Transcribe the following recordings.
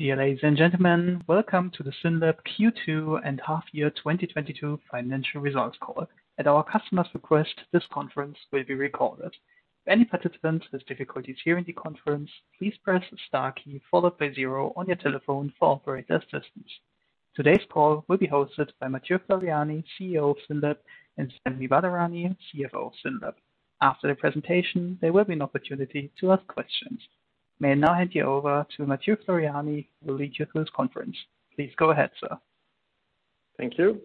Dear ladies and gentlemen, welcome to the SYNLAB Q2 and half year 2022 financial results call. At our customer's request, this conference will be recorded. If any participant has difficulty hearing the conference, please press star key followed by zero on your telephone for operator assistance. Today's call will be hosted by Mathieu Floreani, CEO of SYNLAB, and Sami Badarani, CFO of SYNLAB. After the presentation, there will be an opportunity to ask questions. May I now hand you over to Mathieu Floreani, who will lead you through this conference. Please go ahead, sir. Thank you.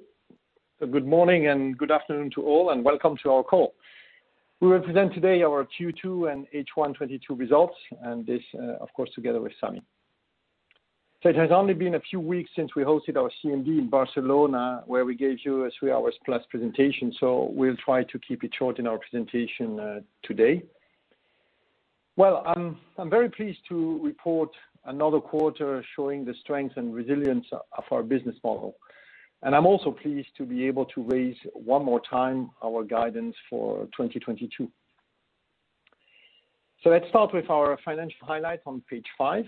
Good morning and good afternoon to all, and welcome to our call. We will present today our Q2 and H1 2022 results and this, of course, together with Sami Badarani. It has only been a few weeks since we hosted our CMD in Barcelona, where we gave you a three hours plus presentation. We'll try to keep it short in our presentation today. I'm very pleased to report another quarter showing the strength and resilience of our business model. I'm also pleased to be able to raise one more time our guidance for 2022. Let's start with our financial highlight on page five.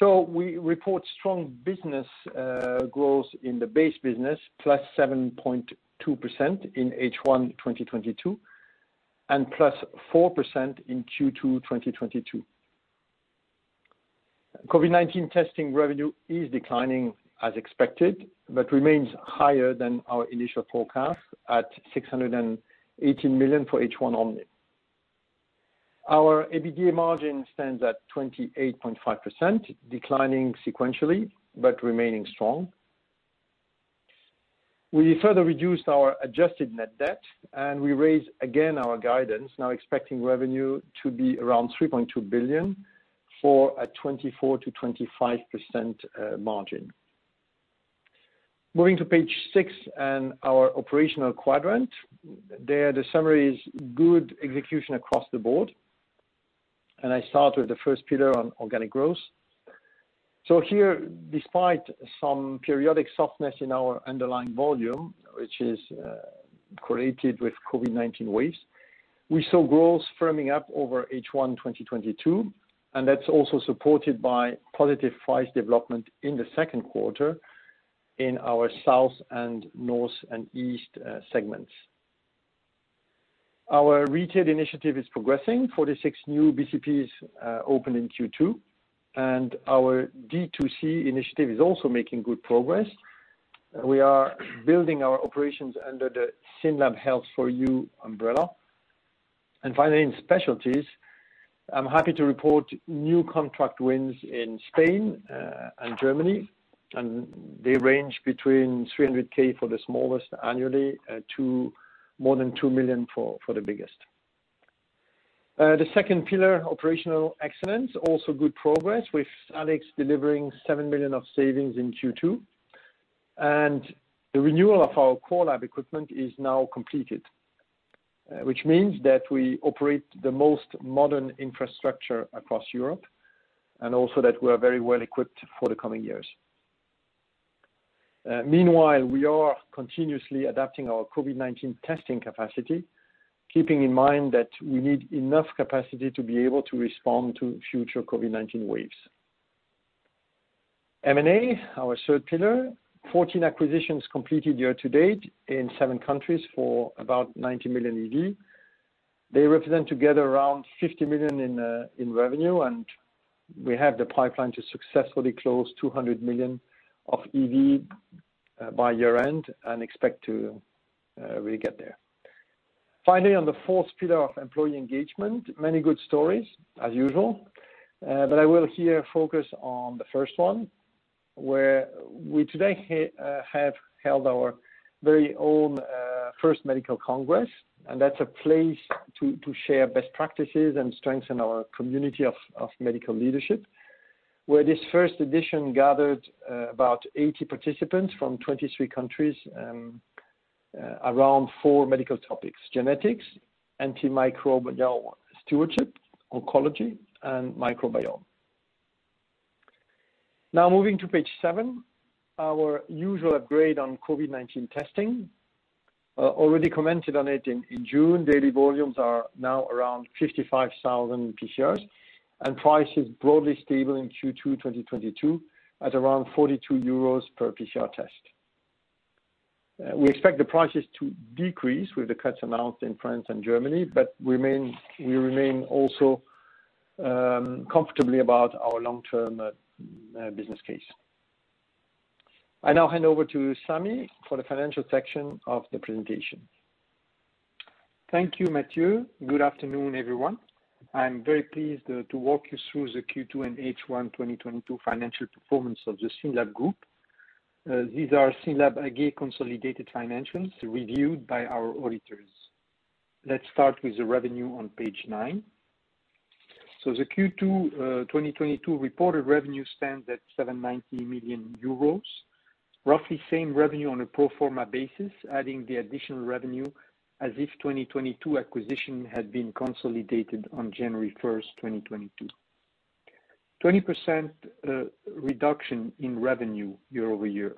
We report strong business growth in the base business, plus 7.2% in H1 2022, and plus 4% in Q2 2022. COVID-19 testing revenue is declining as expected, but remains higher than our initial forecast at 680 million for H1 only. Our EBITDA margin stands at 28.5%, declining sequentially, but remaining strong. We further reduced our adjusted net debt, and we raised again our guidance, now expecting revenue to be around 3.2 billion for a 24%-25% margin. Moving to page six and our operational quadrant. There, the summary is good execution across the board. I start with the first pillar on organic growth. Here, despite some periodic softness in our underlying volume, which is correlated with COVID-19 waves, we saw growth firming up over H1 2022, and that's also supported by positive price development in the second quarter in our south and north and east segments. Our retail initiative is progressing. 46 new BCPs opened in Q2. Our D2C initiative is also making good progress. We are building our operations under the SYNLAB - Health for You umbrella. Finally, in specialties, I'm happy to report new contract wins in Spain and Germany. They range between 300K for the smallest annually to more than 2 million for the biggest. The second pillar, operational excellence, also good progress, with Alex delivering 7 million of savings in Q2. The renewal of our core lab equipment is now completed, which means that we operate the most modern infrastructure across Europe and also that we are very well equipped for the coming years. Meanwhile, we are continuously adapting our COVID-19 testing capacity, keeping in mind that we need enough capacity to be able to respond to future COVID-19 waves. M&A, our third pillar. 14 acquisitions completed year to date in 7 countries for about 90 million EV. They represent together around 50 million in revenue, and we have the pipeline to successfully close 200 million of EV by year-end and expect to really get there. Finally, on the fourth pillar of employee engagement, many good stories as usual. I will here focus on the first one, where we today have held our very own first medical congress, and that's a place to share best practices and strengthen our community of medical leadership, where this first edition gathered about 80 participants from 23 countries around four medical topics, genetics, antimicrobial stewardship, oncology, and microbiome. Now moving to page 7, our usual upgrade on COVID-19 testing. Already commented on it in June. Daily volumes are now around 55,000 PCRs, and price is broadly stable in Q2 2022 at around 42 euros per PCR test. We expect the prices to decrease with the cuts announced in France and Germany, but we remain also comfortably about our long-term business case. I now hand over to Sami for the financial section of the presentation. Thank you, Mathieu. Good afternoon, everyone. I'm very pleased to walk you through the Q2 and H1 2022 financial performance of the SYNLAB Group. These are SYNLAB again consolidated financials reviewed by our auditors. Let's start with the revenue on page nine. The Q2 2022 reported revenue stands at 790 million euros. Roughly same revenue on a pro forma basis, adding the additional revenue as if 2022 acquisition had been consolidated on January 1, 2022. 20% reduction in revenue year-over-year,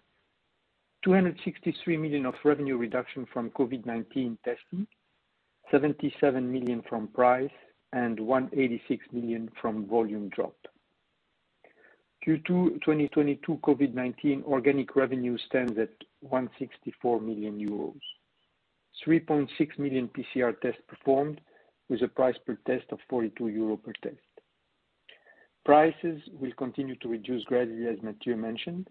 263 million of revenue reduction from COVID-19 testing, 77 million from price, and 186 million from volume drop. Q2 2022 COVID-19 organic revenue stands at 164 million euros. 3.6 million PCR tests performed, with a price per test of 42 euro per test. Prices will continue to reduce gradually, as Mathieu mentioned.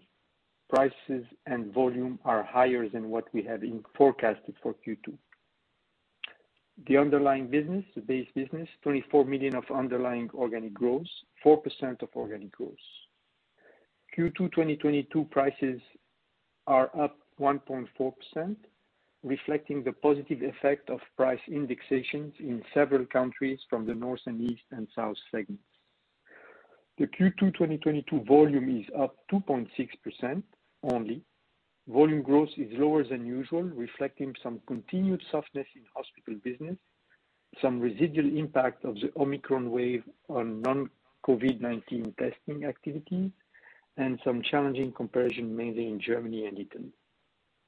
Prices and volume are higher than what we have forecasted for Q2. The underlying business, the base business, 24 million of underlying organic growth, 4% organic growth. Q2 2022 prices are up 1.4%, reflecting the positive effect of price indexations in several countries from the north and east and south segments. The Q2 2022 volume is up 2.6% only. Volume growth is lower than usual, reflecting some continued softness in hospital business, some residual impact of the Omicron wave on non-COVID-19 testing activities, and some challenging comparison, mainly in Germany and Italy.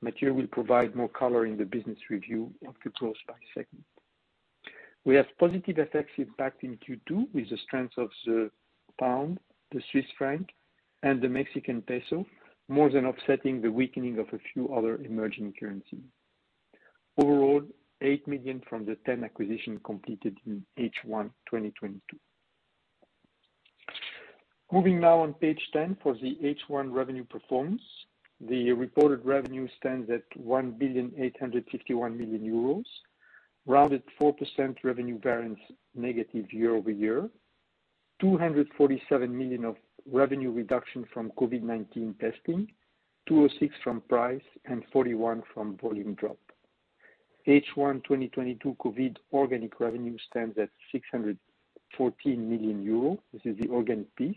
Mathieu will provide more color in the business review of Q2 by segment. We have positive effects impact in Q2 with the strength of the pound, the Swiss franc, and the Mexican peso, more than offsetting the weakening of a few other emerging currencies. Overall, 8 million from the ten acquisitions completed in H1 2022. Moving now to page 10 for the H1 revenue performance. The reported revenue stands at 1,851 million euros, rounded 4% revenue variance negative year-over-year. 247 million of revenue reduction from COVID-19 testing, 206 from price, and 41 from volume drop. H1 2022 COVID organic revenue stands at 614 million euros. This is the organic piece.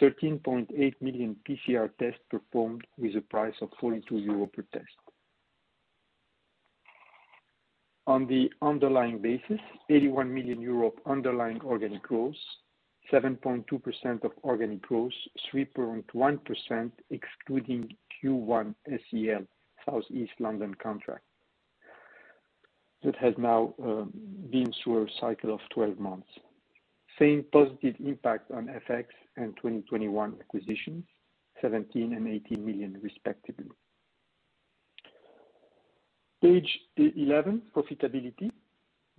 13.8 million PCR tests performed with a price of 42 euro per test. On the underlying basis, 81 million euro underlying organic growth, 7.2% organic growth, 3.1% excluding Q1 SEL, Southeast London contract. That has now been through a cycle of 12 months. Same positive impact from FX and 2021 acquisitions, 17 million and 18 million respectively. Page 11, profitability.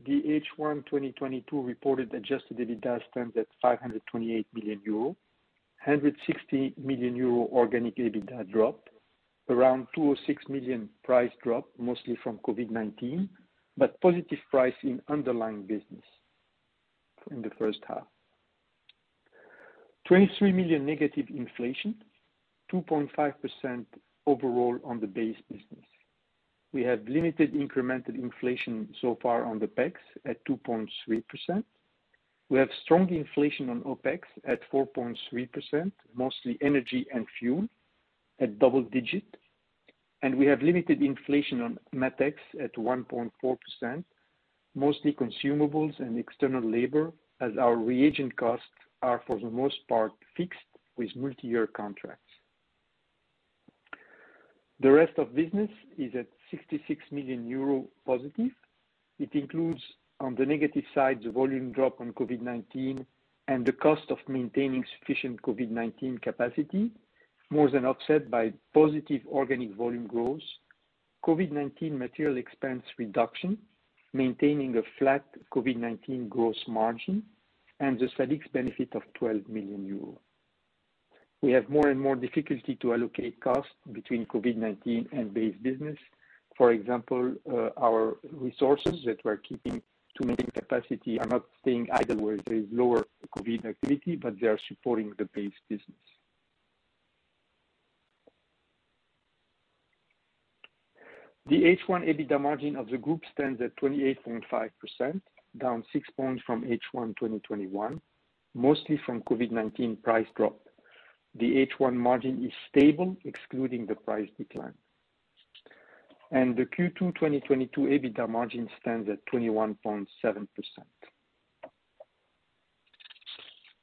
The H1 2022 reported adjusted EBITDA stands at 528 million euro, 160 million euro organic EBITDA drop, around 26 million price drop, mostly from COVID-19, but positive price in underlying business in the first half. 23 million negative inflation, 2.5% overall on the base business. We have limited incremental inflation so far on the OPEX at 2.3%. We have strong inflation on OPEX at 4.3%, mostly energy and fuel at double digit. We have limited inflation on MatEx at 1.4%, mostly consumables and external labor, as our reagent costs are for the most part fixed with multi-year contracts. The rest of business is at 66 million euro positive. It includes, on the negative side, the volume drop on COVID-19 and the cost of maintaining sufficient COVID-19 capacity, more than offset by positive organic volume growth. COVID-19 material expense reduction, maintaining a flat COVID-19 gross margin and the SALEX benefit of 12 million euros. We have more and more difficulty to allocate costs between COVID-19 and base business. For example, our resources that we're keeping to maintain capacity are not staying idle where there is lower COVID activity, but they are supporting the base business. The H1 EBITDA margin of the group stands at 28.5%, down six points from H1 2021, mostly from COVID-19 price drop. The H1 margin is stable excluding the price decline. The Q2 2022 EBITDA margin stands at 21.7%.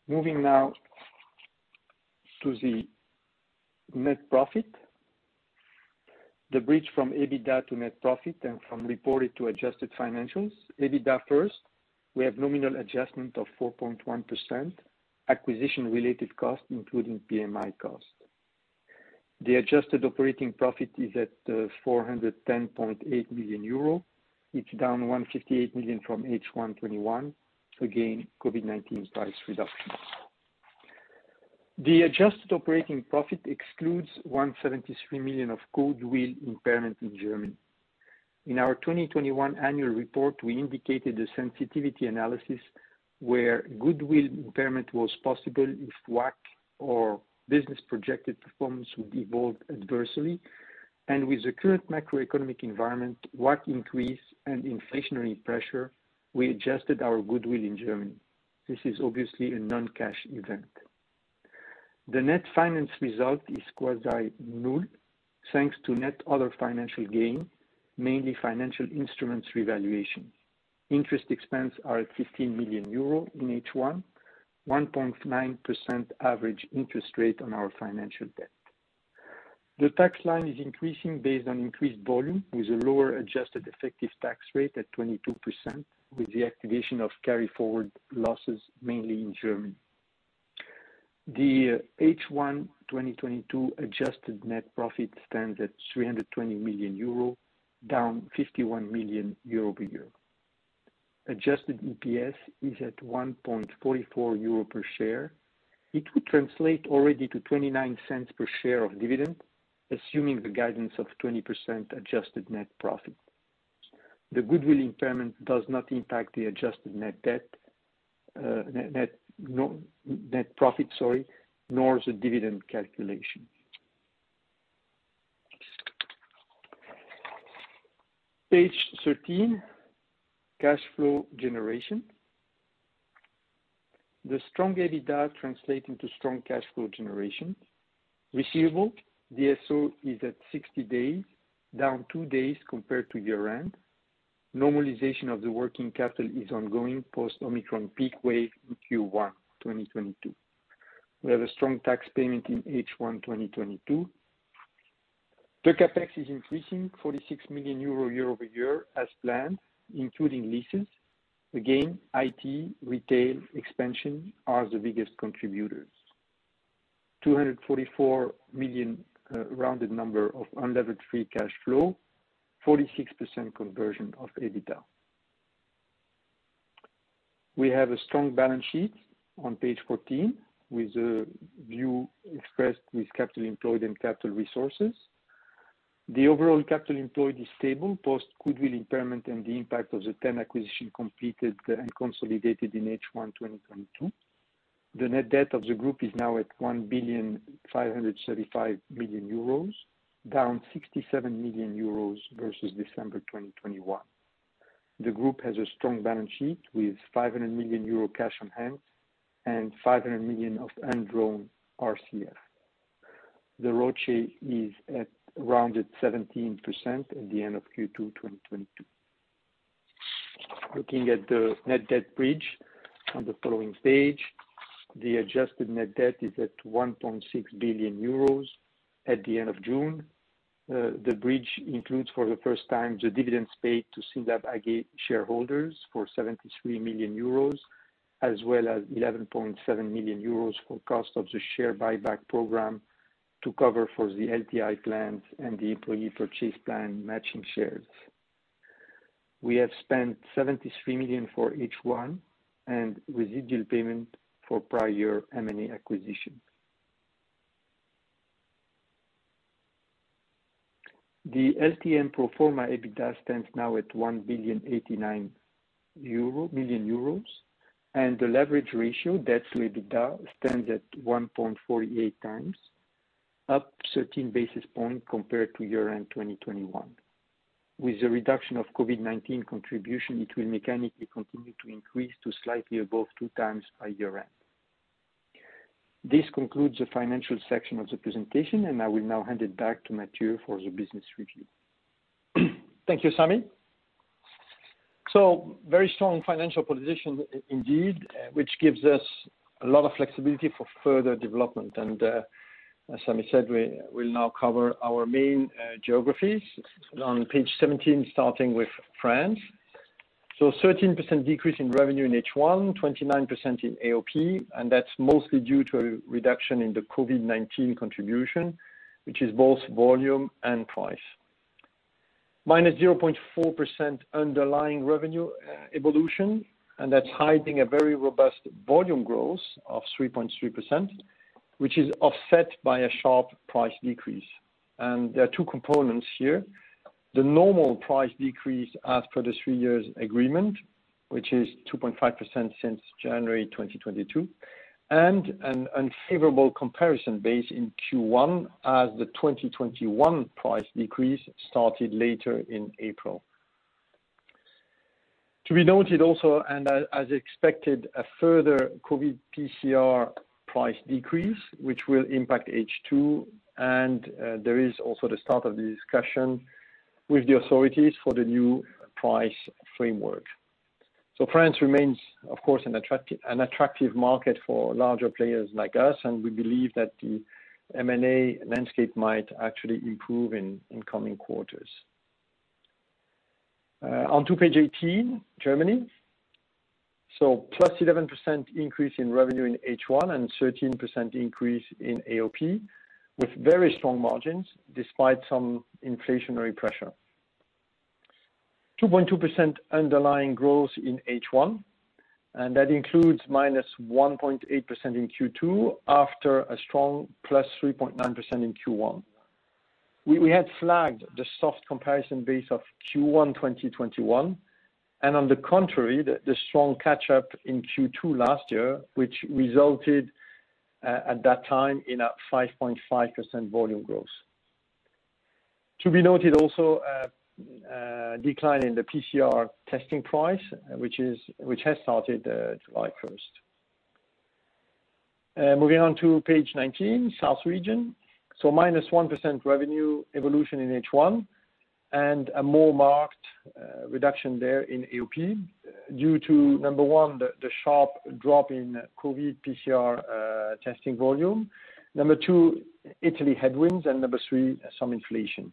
Moving now to the net profit. The bridge from EBITDA to net profit and from reported to adjusted financials. EBITDA first, we have nominal adjustment of 4.1%, acquisition-related costs including PMI costs. The adjusted operating profit is at 410.8 million euro. It's down 158 million from H1 2021. Again, COVID-19 price reductions. The adjusted operating profit excludes 173 million of goodwill impairment in Germany. In our 2021 annual report, we indicated a sensitivity analysis where goodwill impairment was possible if WACC or business projected performance would evolve adversely. With the current macroeconomic environment, WACC increase and inflationary pressure, we adjusted our goodwill in Germany. This is obviously a non-cash event. The net finance result is quasi null, thanks to net other financial gain, mainly financial instruments revaluation. Interest expenses are at 15 million euro in H1, 1.9% average interest rate on our financial debt. The tax line is increasing based on increased volume with a lower adjusted effective tax rate at 22% with the activation of carry forward losses, mainly in Germany. The H1 2022 adjusted net profit stands at 320 million euro, down 51 million euro year-over-year. Adjusted EPS is at 1.44 euro per share. It would translate already to 0.29 per share of dividend, assuming the guidance of 20% adjusted net profit. The goodwill impairment does not impact the adjusted net debt, net profit, nor the dividend calculation. Page 13, cash flow generation. The strong EBITDA translate into strong cash flow generation. Receivables, DSO is at 60 days, down 2 days compared to year-end. Normalization of the working capital is ongoing post Omicron peak wave in Q1 2022. We have a strong tax payment in H1 2022. The CapEx is increasing 46 million euro, year-over-year as planned, including leases. Again, IT, retail expansion are the biggest contributors. 244 million, rounded number of unlevered free cash flow, 46% conversion of EBITDA. We have a strong balance sheet on page 14 with the view expressed with capital employed and capital resources. The overall capital employed is stable, post goodwill impairment and the impact of the ten acquisitions completed and consolidated in H1 2022. The net debt of the group is now at 1,535 million euros, down 67 million euros versus December 2021. The group has a strong balance sheet with 500 million euro cash on hand and 500 million of undrawn RCF. The ROCE is at rounded 17% at the end of Q2 2022. Looking at the net debt bridge on the following page, the adjusted net debt is at 1.6 billion euros at the end of June. The bridge includes for the first time, the dividends paid to SYNLAB AG shareholders for 73 million euros, as well as 11.7 million euros for cost of the share buyback program to cover for the LTI plans and the employee purchase plan matching shares. We have spent 73 million for H1 and residual payment for prior M&A acquisitions. The LTM pro forma EBITDA stands now at 1,089 million euro, and the leverage ratio, debt to EBITDA, stands at 1.48x, up 13 basis points compared to year-end 2021. With the reduction of COVID-19 contribution, it will mechanically continue to increase to slightly above 2x by year-end. This concludes the financial section of the presentation, and I will now hand it back to Mathieu for the business review. Thank you, Sami. Very strong financial position indeed, which gives us a lot of flexibility for further development. As Sami said, we'll now cover our main geographies on page 17, starting with France. 13% decrease in revenue in H1, 29% in AOP, and that's mostly due to a reduction in the COVID-19 contribution, which is both volume and price. Minus 0.4% underlying revenue evolution, and that's hiding a very robust volume growth of 3.3%, which is offset by a sharp price decrease. There are two components here. The normal price decrease as per the three years agreement, which is 2.5% since January 2022, and an unfavorable comparison base in Q1 as the 2021 price decrease started later in April. To be noted also, and as expected, a further COVID PCR price decrease, which will impact H2, and there is also the start of the discussion with the authorities for the new price framework. France remains, of course, an attractive market for larger players like us, and we believe that the M&A landscape might actually improve in coming quarters. On to page 18, Germany. Plus 11% increase in revenue in H1 and 13% increase in AOP with very strong margins despite some inflationary pressure. 2.2% underlying growth in H1, and that includes -1.8% in Q2 after a strong +3.9% in Q1. We had flagged the soft comparison base of Q1 2021, and on the contrary, the strong catch up in Q2 last year, which resulted at that time in a 5.5% volume growth. To be noted also a decline in the PCR testing price, which has started July first. Moving on to page 19, South Region. Minus 1% revenue evolution in H1 and a more marked reduction there in AOP due to number one, the sharp drop in COVID PCR testing volume. Number two, Italy headwinds, and number three, some inflation.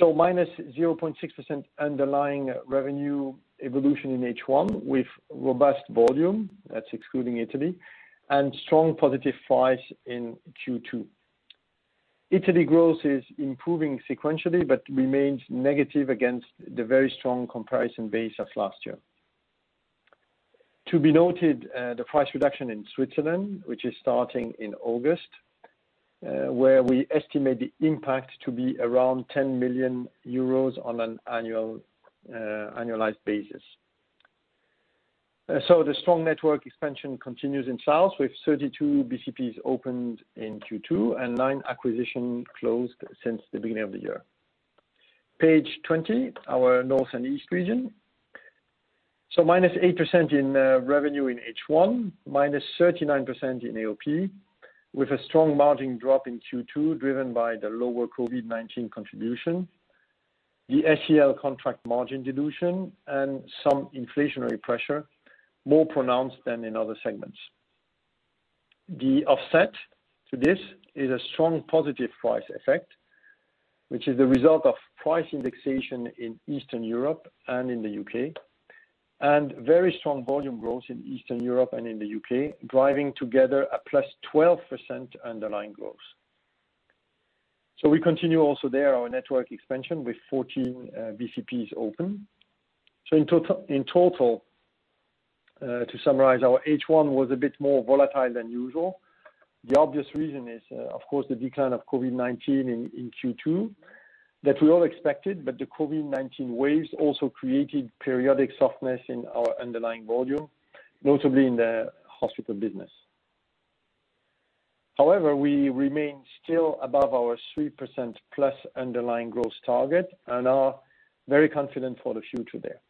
Minus 0.6% underlying revenue evolution in H1 with robust volume, that's excluding Italy, and strong positive price in Q2. Italy growth is improving sequentially but remains negative against the very strong comparison base of last year. To be noted, the price reduction in Switzerland, which is starting in August, where we estimate the impact to be around 10 million euros on an annualized basis. The strong network expansion continues in South, with 32 BCPs opened in Q2 and 9 acquisitions closed since the beginning of the year. Page 20, our North and East region. Minus 8% in revenue in H1, -39% in AOP, with a strong margin drop in Q2 driven by the lower COVID-19 contribution, the SEL contract margin dilution, and some inflationary pressure more pronounced than in other segments. The offset to this is a strong positive price effect, which is the result of price indexation in Eastern Europe and in the UK, and very strong volume growth in Eastern Europe and in the UK, driving together a +12% underlying growth. We continue also there our network expansion with 14 BCPs open. In total, to summarize, our H1 was a bit more volatile than usual. The obvious reason is, of course, the decline of COVID-19 in Q2 that we all expected, but the COVID-19 waves also created periodic softness in our underlying volume, notably in the hospital business. However, we remain still above our 3%+ underlying growth target and are very confident for the future there.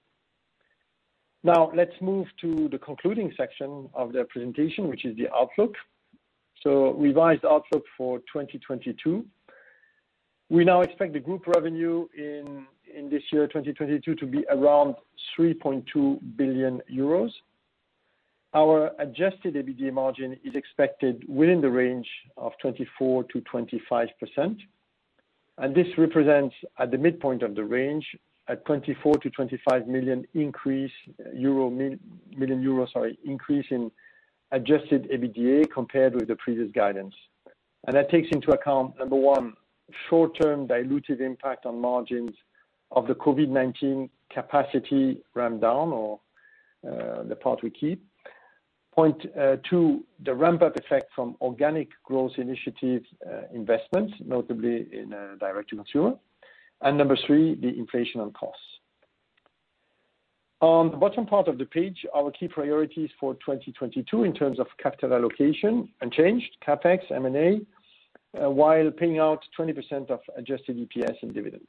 Now, let's move to the concluding section of the presentation, which is the outlook. Revised outlook for 2022. We now expect the group revenue in this year, 2022, to be around 3.2 billion euros. Our adjusted EBITDA margin is expected within the range of 24%-25%, and this represents, at the midpoint of the range, a 24-25 million increase, million euros, increase in adjusted EBITDA compared with the previous guidance. That takes into account, number one, short-term dilutive impact on margins of the COVID-19 capacity ramp down or, the part we keep. Point two, the ramp-up effect from organic growth initiative, investments, notably in, direct to consumer. Number three, the inflation on costs. On the bottom part of the page, our key priorities for 2022 in terms of capital allocation unchanged, CapEx, M&A, while paying out 20% of adjusted EPS in dividend.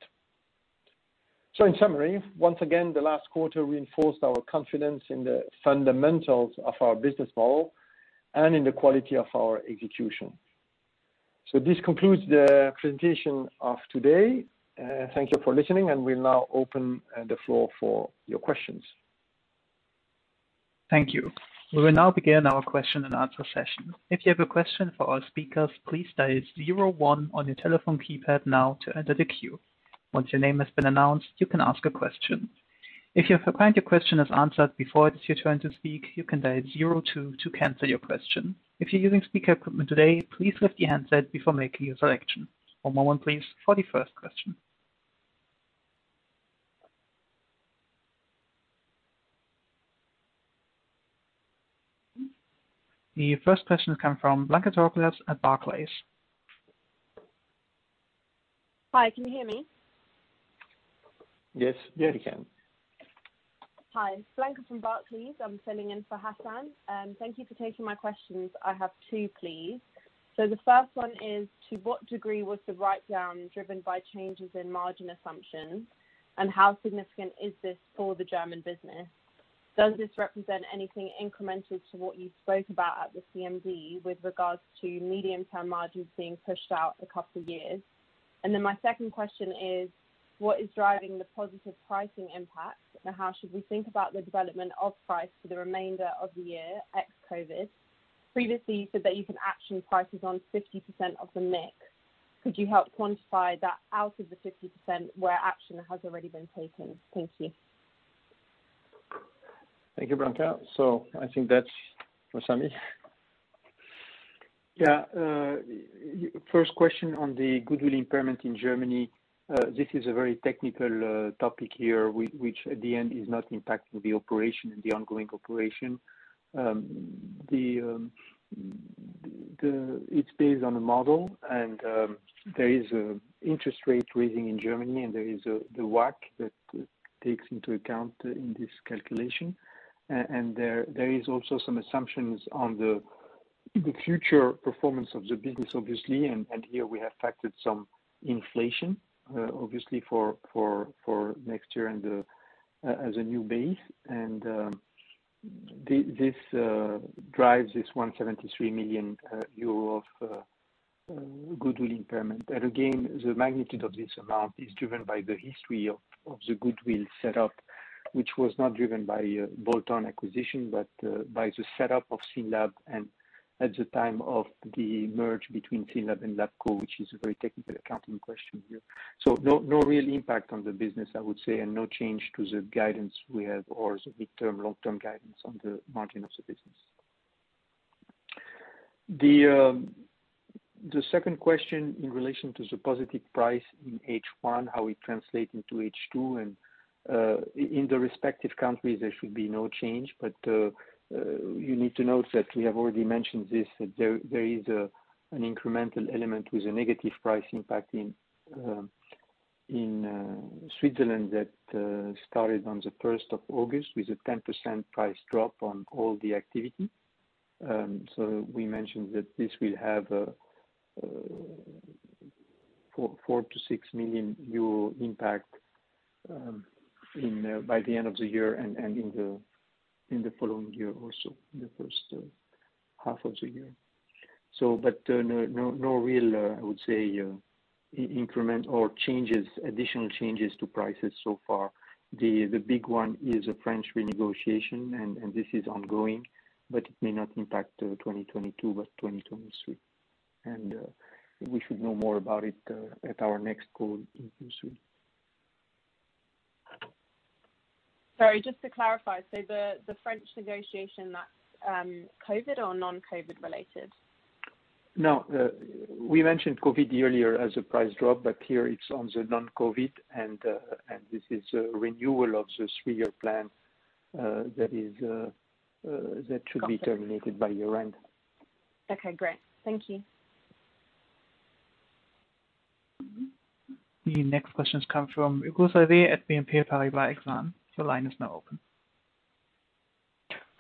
In summary, once again, the last quarter reinforced our confidence in the fundamentals of our business model and in the quality of our execution. This concludes the presentation of today. Thank you for listening, and we'll now open the floor for your questions. Thank you. We will now begin our question-and-answer session. If you have a question for our speakers, please dial zero one on your telephone keypad now to enter the queue. Once your name has been announced, you can ask a question. If you have heard your question is answered before it is your turn to speak, you can dial zero two to cancel your question. If you're using speaker equipment today, please lift your handset before making your selection. One moment, please, for the first question. The first question come from Blanka Porkolab at Barclays. Hi, can you hear me? Yes. Yeah, we can. Hi, Blanka from Barclays. I'm filling in for Hassan. Thank you for taking my questions. I have two, please. The first one is, to what degree was the write-down driven by changes in margin assumptions, and how significant is this for the German business? Does this represent anything incremental to what you spoke about at the CMD with regards to medium-term margins being pushed out a couple of years? My second question is, what is driving the positive pricing impact, and how should we think about the development of price for the remainder of the year, ex-COVID? Previously, you said that you can action prices on 50% of the mix. Could you help quantify that out of the 50% where action has already been taken? Thank you. Thank you, Blanka. I think that's for Sami. First question on the goodwill impairment in Germany. This is a very technical topic here, which at the end is not impacting the operation, the ongoing operation. It's based on a model and there is interest rates rising in Germany and there is the WACC that takes into account in this calculation. There is also some assumptions on the future performance of the business, obviously, and here we have factored some inflation, obviously for next year and then as a new base, and this drives this 173 million euro of goodwill impairment. The magnitude of this amount is driven by the history of the goodwill set up, which was not driven by bolt-on acquisition, but by the setup of SYNLAB and at the time of the merger between SYNLAB and Labco, which is a very technical accounting question here. No real impact on the business, I would say, and no change to the guidance we have or the mid-term, long-term guidance on the margin of the business. The second question in relation to the positive pricing in H1, how we translate into H2 and in the respective countries, there should be no change. You need to note that we have already mentioned this, that there is an incremental element with a negative price impact in Switzerland that started on the first of August with a 10% price drop on all the activity. So, we mentioned that this will have a 4-6 million impact by the end of the year and in the following year or so, in the first half of the year. No real, I would say, increment or additional changes to prices so far. The big one is a French renegotiation, and this is ongoing, but it may not impact 2022, but 2023. We should know more about it at our next call in soon. Sorry, just to clarify. The French negotiation that's COVID or non-COVID related? No. We mentioned COVID earlier as a price drop, but here it's on the non-COVID and this is a renewal of this three-year plan that is. Okay. That should be terminated by year-end. Okay, great. Thank you. The next questions come from Ika Savi at BNP Paribas Exane. Your line is now open.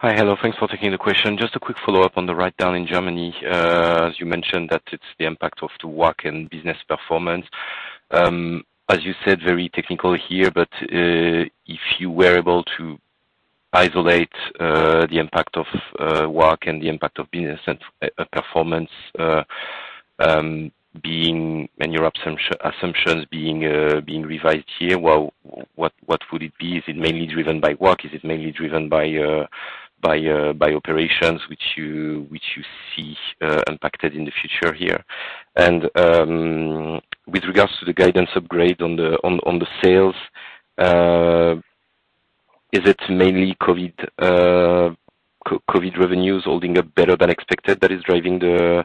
Hello. Thanks for taking the question. Just a quick follow-up on the write-down in Germany. As you mentioned that it's the impact of the WACC and business performance. As you said, very technical here, but if you were able to isolate the impact of WACC and the impact of business and performance, your assumptions being revised here, well, what would it be? Is it mainly driven by WACC? Is it mainly driven by operations which you see impacted in the future here? With regards to the guidance upgrade on the sales, is it mainly COVID revenues holding up better than expected that is driving the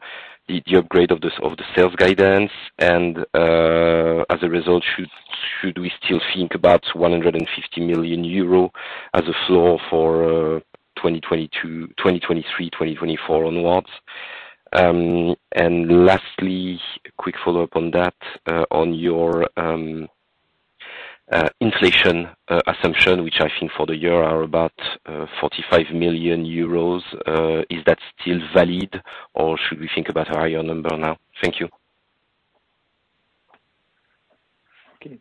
upgrade of the sales guidance? As a result, should we still think about 150 million euro as a floor for 2022, 2023, 2024 onwards? Lastly, quick follow-up on that, on your inflation assumption, which I think for the year are about 45 million euros, is that still valid, or should we think about a higher number now? Thank you. Okay.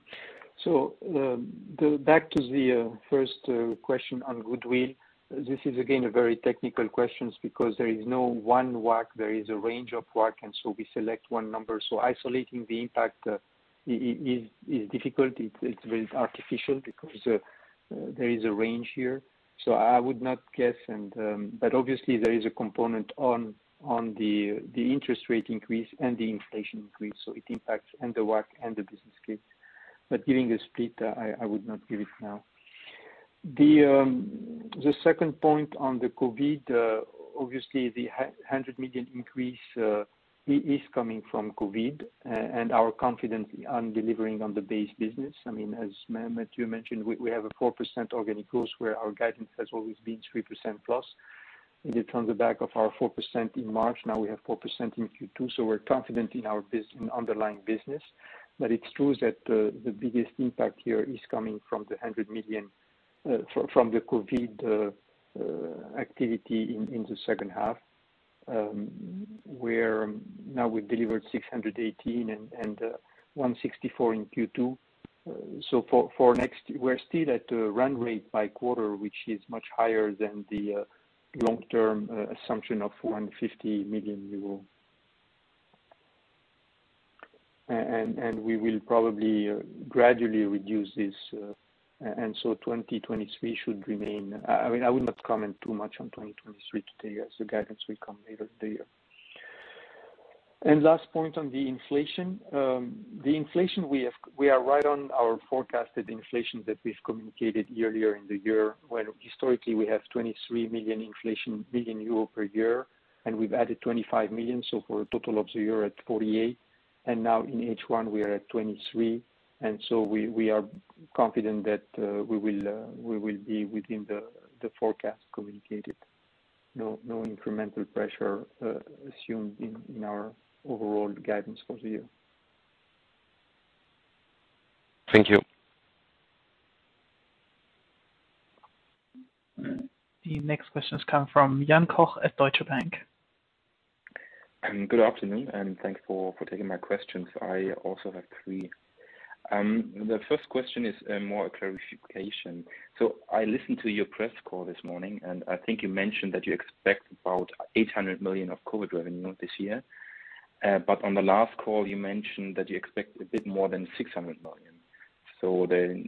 Back to the first question on goodwill. This is again a very technical question because there is no one WACC. There is a range of WACC, and we select one number. Isolating the impact is difficult. It's very artificial because there is a range here. I would not guess. But obviously there is a component on the interest rate increase and the inflation increase. It impacts the WACC and the business case. Giving a split, I would not give it now. The second point on the COVID, obviously the 100 million increase is coming from COVID and our confidence on delivering on the base business. I mean, as Mathieu mentioned, we have a 4% organic growth where our guidance has always been 3%+, and it's on the back of our 4% in March. Now we have 4% in Q2. We're confident in our underlying business. It's true that the biggest impact here is coming from 100 million from the COVID activity in the second half, where now we've delivered 618 million and 164 million in Q2. For next, we're still at a run rate by quarter, which is much higher than the long-term assumption of 150 million euro. We will probably gradually reduce this, and so 2023 should remain. I mean, I would not comment too much on 2023 today as the guidance will come later in the year. Last point on the inflation. The inflation we have—we are right on our forecasted inflation that we've communicated earlier in the year, where historically we have 23 million inflation per year, and we've added 25 million, so for a total of the year at 48 million. Now in H1 we are at 23 million. We are confident that we will be within the forecast communicated. No incremental pressure assumed in our overall guidance for the year. Thank you. The next questions come from Jan Koch at Deutsche Bank. Good afternoon, and thanks for taking my questions. I also have three. The first question is more a clarification. I listened to your press call this morning, and I think you mentioned that you expect about 800 million of COVID revenue this year. On the last call you mentioned that you expect a bit more than 600 million.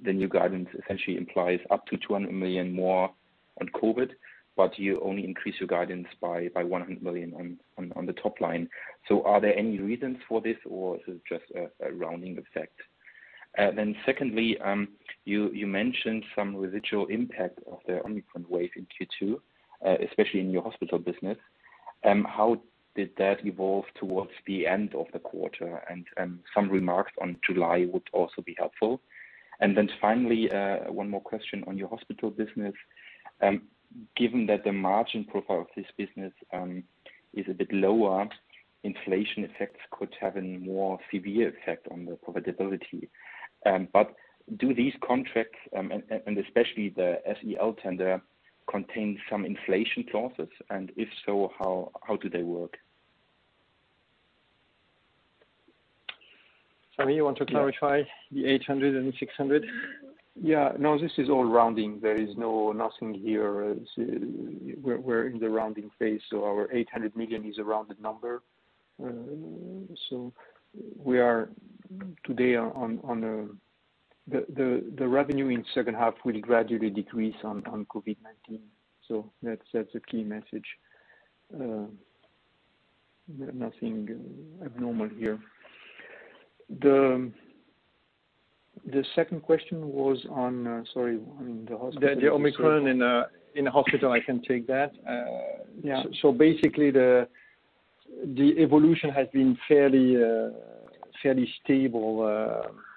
The new guidance essentially implies up to 200 million more on COVID, but you only increase your guidance by 100 million on the top line. Are there any reasons for this, or is it just a rounding effect? Secondly, you mentioned some residual impact of the Omicron wave in Q2, especially in your hospital business. How did that evolve towards the end of the quarter? Some remarks on July would also be helpful. Finally, one more question on your hospital business. Given that the margin profile of this business is a bit lower, inflation effects could have a more severe effect on the profitability. Do these contracts and especially the SEL tender contain some inflation clauses? If so, how do they work? Sami, you want to clarify the 800 and 600? Yeah. No, this is all rounding. There is nothing here. We're in the rounding phase, so our 800 million is a rounded number. We are today on the revenue in second half will gradually decrease on COVID-19. That's a key message. Nothing abnormal here. The second question was on the hospital piece. The Omicron in hospital, I can take that. Yeah. Basically, the evolution has been fairly stable.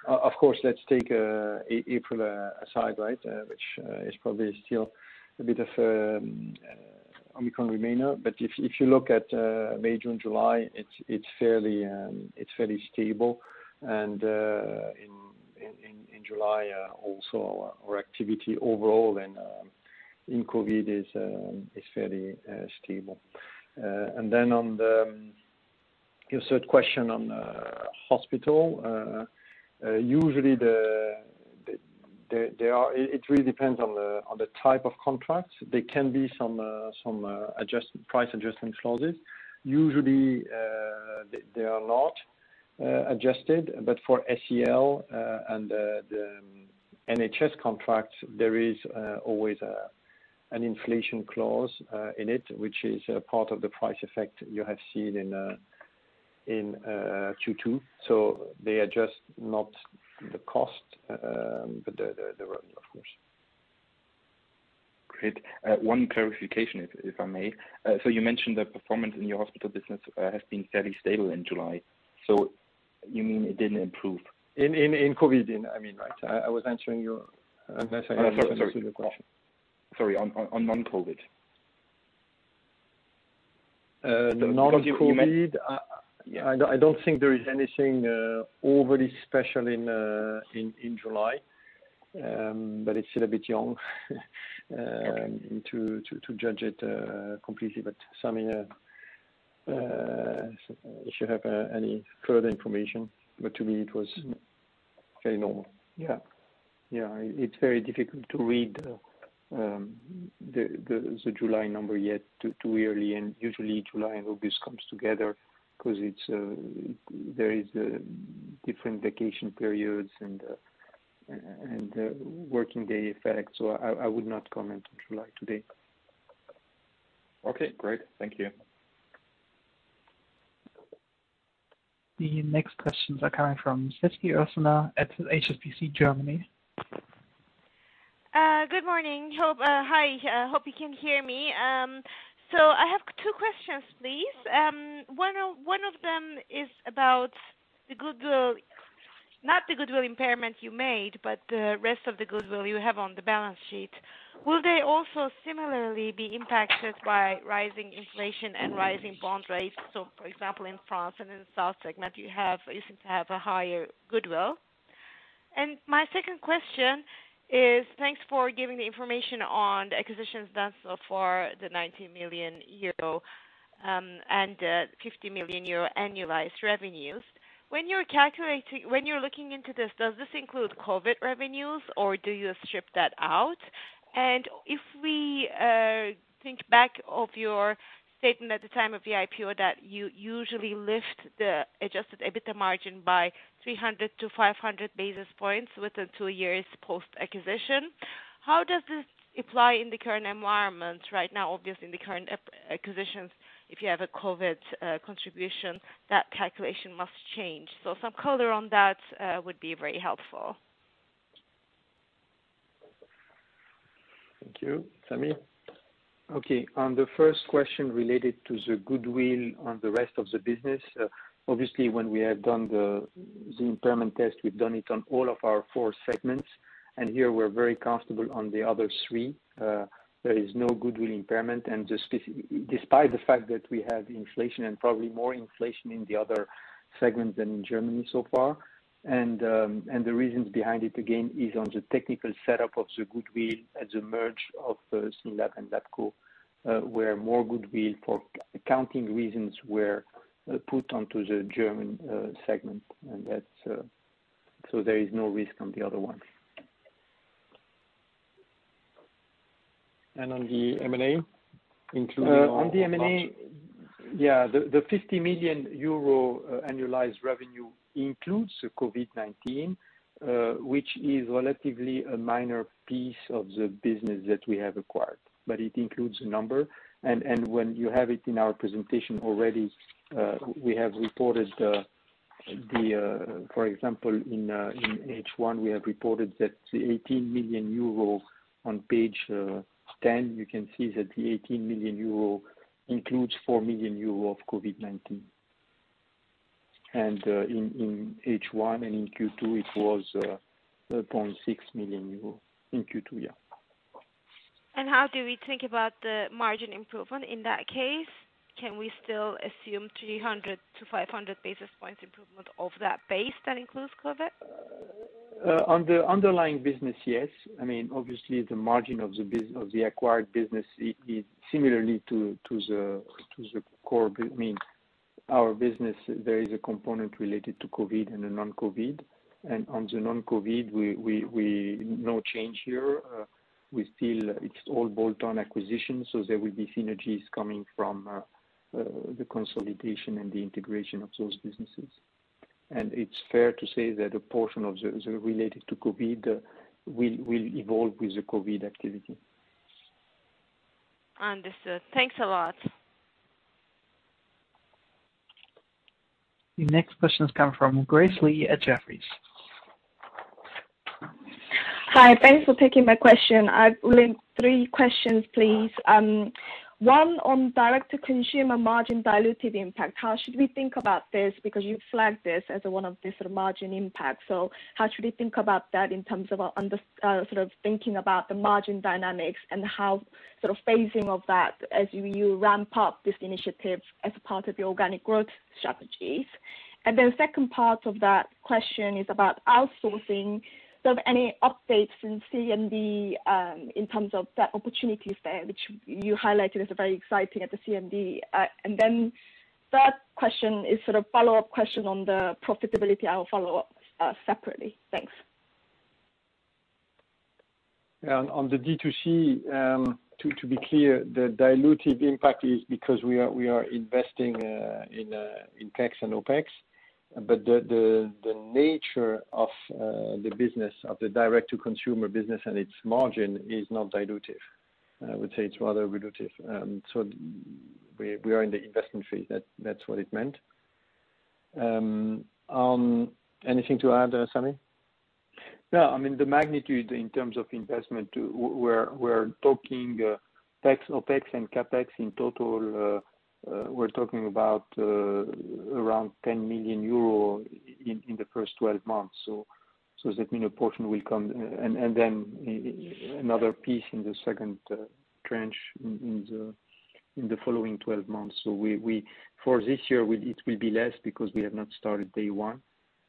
Of course, let's take April aside, right? Which is probably still a bit of Omicron remainder. If you look at May, June, July, it's fairly stable. In July, also our activity overall and in COVID is fairly stable. On your third question on hospital, usually there are. It really depends on the type of contracts. There can be some price adjustment clauses. Usually, they are not adjusted, but for SEL and the NHS contracts, there is always an inflation clause in it, which is a part of the price effect you have seen in Q2. They adjust not the cost, but the revenue of course. Great. One clarification if I may. You mentioned that performance in your hospital business has been fairly stable in July. You mean it didn't improve? In COVID you mean, I mean, right? I was answering your that second part of the question. Sorry, on non-COVID. The non-COVID. Yeah. I don't think there is anything overly special in July. It's still a bit young. Okay. to judge it completely. Sami, if you have any further information, but to me it was fairly normal. Yeah. Yeah. It's very difficult to read the July number yet. Too early, and usually July and August comes together 'cause its different vacation periods and working day effects. I would not comment on July today. Okay, great. Thank you. The next questions are coming from Alessia Ossena at HSBC Germany. Good morning. Hope you can hear me. I have two questions, please. One of them is about the goodwill, not the goodwill impairment you made, but the rest of the goodwill you have on the balance sheet. Will they also similarly be impacted by rising inflation and rising bond rates? For example, in France and in the South segment, you seem to have a higher goodwill. My second question is, thanks for giving the information on the acquisitions done so far, the 90 million euro and 50 million euro annualized revenues. When you're looking into this, does this include COVID revenues, or do you strip that out? If we think back to your statement at the time of the IPO that you usually lift the adjusted EBITDA margin by 300-500 basis points within two years post-acquisition, how does this apply in the current environment right now? Obviously, in the current acquisitions, if you have a COVID contribution, that calculation must change. Some color on that would be very helpful. Thank you. Sami? Okay. On the first question related to the goodwill on the rest of the business, obviously when we have done the impairment test, we've done it on all of our four segments. Here we're very comfortable on the other three. There is no goodwill impairment. Just despite the fact that we have inflation and probably more inflation in the other Segment than in Germany so far. The reasons behind it again is on the technical setup of the goodwill as a merger of SYNLAB and Labco, where more goodwill for accounting reasons were put onto the German segment, and that. There is no risk on the other ones. On the M&A, the 50 million euro annualized revenue includes the COVID-19, which is relatively a minor piece of the business that we have acquired. It includes a number. When you have it in our presentation already, we have reported, for example, in H1, we have reported that the 18 million euro on page 10, you can see that the 18 million euro includes 4 million euro of COVID-19. In H1 and in Q2, it was 4.6 million euro. In Q2, yeah. How do we think about the margin improvement in that case? Can we still assume 300-500 basis points improvement of that base that includes COVID? On the underlying business, yes. I mean, obviously the margin of the acquired business is similarly to the core, I mean, our business, there is a component related to COVID and a non-COVID. On the non-COVID, no change here. We still, it's all bolt-on acquisitions, so there will be synergies coming from the consolidation and the integration of those businesses. It's fair to say that a portion related to COVID will evolve with the COVID activity. Understood. Thanks a lot. The next question comes from Grace Lee at Jefferies. Hi. Thanks for taking my question. I've only three questions, please. One on direct-to-consumer margin dilutive impact. How should we think about this? Because you flagged this as one of the sorts of margin impact. How should we think about that in terms of sort of thinking about the margin dynamics and how sort of phasing of that as you ramp up this initiative as a part of your organic growth strategies. Second part of that question is about outsourcing. Any updates in CMD in terms of the opportunities there, which you highlighted as very exciting at the CMD. Third question is sort of follow-up question on the profitability. I'll follow up separately. Thanks. On the D2C, to be clear, the dilutive impact is because we are investing in OPEX. But the nature of the business of the direct to consumer business and its margin is not dilutive. I would say it's rather dilutive. We are in the investment phase. That's what it meant. Anything to add, Sami? No. I mean, the magnitude in terms of investment to where we're talking tax, OPEX and CapEx in total, we're talking about around 10 million euro in the first 12 months. That means a portion will come and then another piece in the second tranche in the following 12 months. For this year, it will be less because we have not started day one.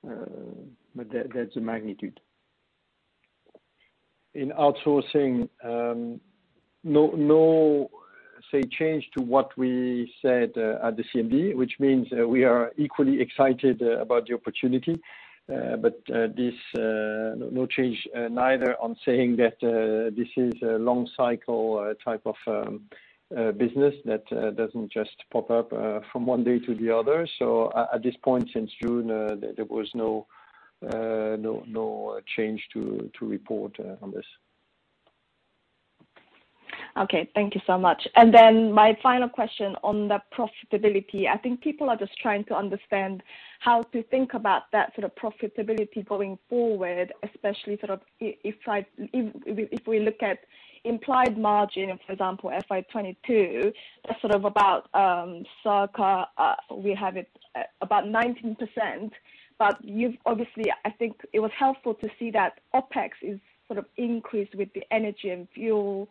But that's the magnitude. In outsourcing, no change to what we said at the CMD, which means we are equally excited about the opportunity. No change neither on saying that this is a long cycle type of business that doesn't just pop up from one day to the other. At this point since June, there was no change to report on this. Okay, thank you so much. My final question on the profitability. I think people are just trying to understand how to think about that sort of profitability going forward, especially sort of if we look at implied margin, for example, FY 2022, that's sort of about, circa, we have it at about 19%. You've obviously, I think it was helpful to see that OPEX is sort of increased with the energy and fuel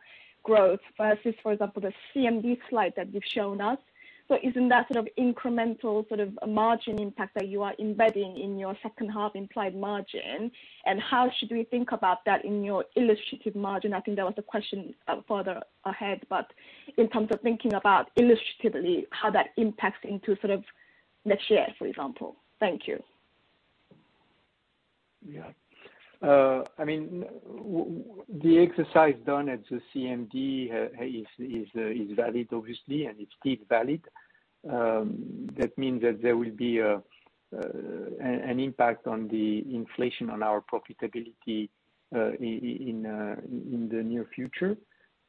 growth versus, for example, the CMD slide that you've shown us. Isn't that sort of incremental sort of margin impact that you are embedding in your second half implied margin? How should we think about that in your illustrative margin? I think there was a question, further ahead, but in terms of thinking about illustratively, how that impacts into sort of next year, for example. Thank you. Yeah. I mean, the exercise done at the CMD is valid obviously, and it's still valid. That means that there will be an impact of the inflation on our profitability in the near future.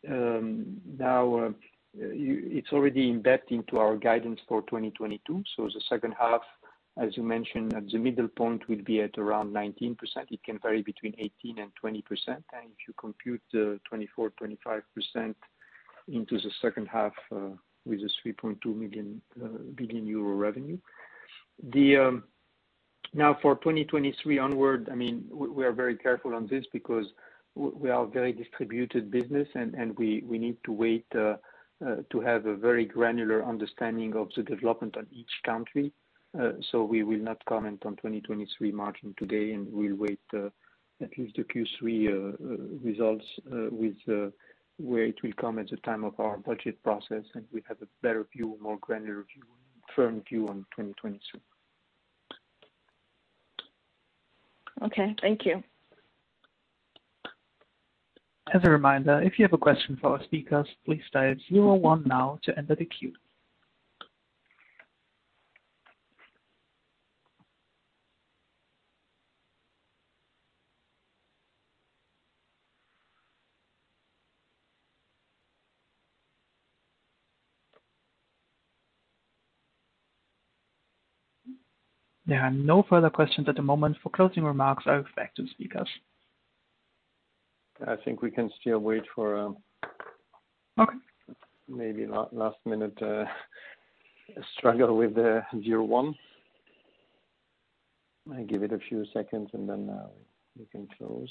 Now, it's already embedded into our guidance for 2022. The second half, as you mentioned, at the midpoint will be at around 19%. It can vary between 18%-20%. If you compute the 24%-25% into the second half with the 3.2 billion euro revenue. The Now for 2023 onward, I mean, we are very careful on this because we are a very distributed business and we need to wait to have a very granular understanding of the development on each country. We will not comment on 2023 margin today, and we'll wait at least the Q3 results with where it will come at the time of our budget process, and we have a better view, more granular view, firm view on 2023. Okay, thank you. As a reminder, if you have a question for our speakers, please dial zero one now to enter the queue. There are no further questions at the moment. For closing remarks, I'll hand back to the speakers. I think we can still wait for. Okay. Maybe last minute struggle with the zero one. I give it a few seconds and then we can close.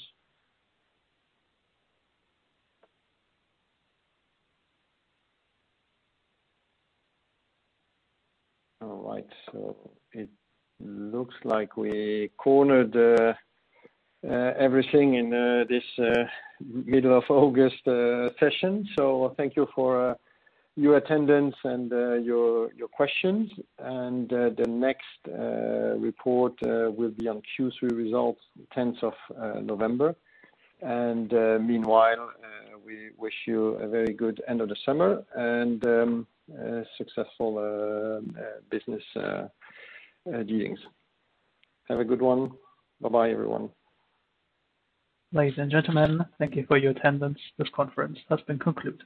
All right. It looks like we covered everything in this middle of August session. Thank you for your attendance and your questions. The next report will be on Q3 results tenth of November. Meanwhile, we wish you a very good end of the summer and successful business dealings. Have a good one. Bye-bye, everyone. Ladies and gentlemen, thank you for your attendance. This conference has been concluded.